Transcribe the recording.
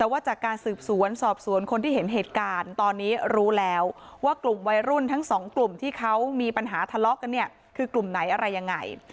ปัญหาทะเลาะกันเนี่ยคือกลุ่มไหนอะไรยังไง